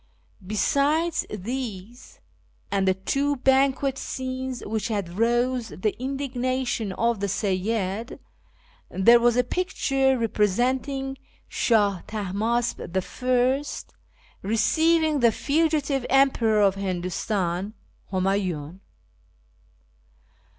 Besides these, and the two banquet scenes which had roused the indignation of the Seyyid, there was a picture representing Shah Tahmasp I receiving the fugitive emperor of Hindustan, Humayiin.